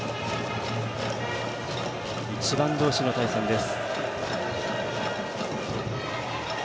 １番同士の対戦です。